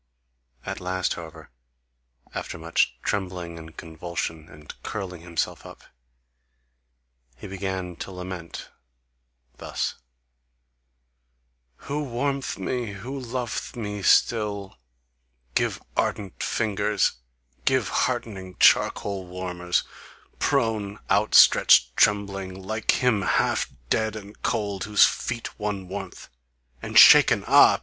At last, however, after much trembling, and convulsion, and curling himself up, he began to lament thus: Who warm'th me, who lov'th me still? Give ardent fingers! Give heartening charcoal warmers! Prone, outstretched, trembling, Like him, half dead and cold, whose feet one warm'th And shaken, ah!